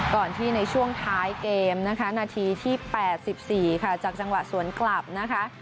ก่อนที่ในช่วงท้ายเกมนะคะนาทีที่๘๔ค่ะจากจังหวะสวนกลับนะคะ